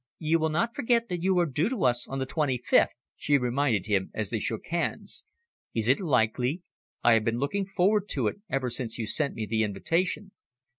"You will not forget that you are due to us on the twenty fifth," she reminded him as they shook hands. "Is it likely? I have been looking forward to it ever since you sent me the invitation."